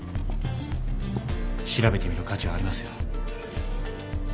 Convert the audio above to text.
調べてみる価値はありますよ。